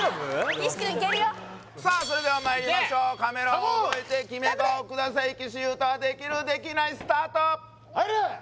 岸くんいけるよさあそれではまいりましょうカメラを覚えてキメ顔ください岸優太はできる？できない？スタート入れ！